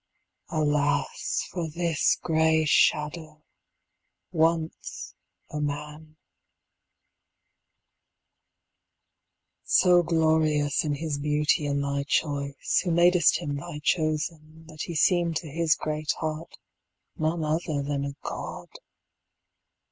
Alas! for this gray shadow, once a man So glorious in his beauty and thy choice, Who madest him thy chosen, that he seem'd To his great heart none other than a God!